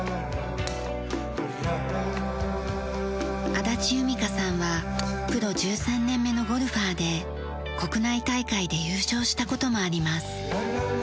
足立由美佳さんはプロ１３年目のゴルファーで国内大会で優勝した事もあります。